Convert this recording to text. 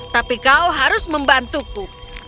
tapi kau harus membantuku